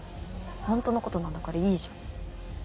ほんとのことなんだからいいじゃん。